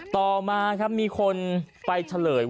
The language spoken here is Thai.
ต่อมามีคนไปเฉลย